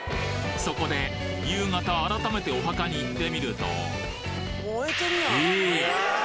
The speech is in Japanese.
そこで夕方改めてお墓に行ってみるとえ！？